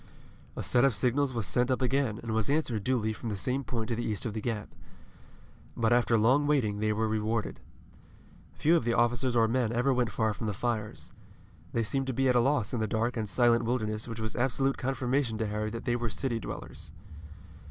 A set of signals was sent up again and was answered duly from the same point to the east of the Gap. But after long waiting, they were rewarded. Few of the officers or men ever went far from the fires. They seemed to be at a loss in the dark and silent wilderness which was absolute confirmation to Harry that they were city dwellers.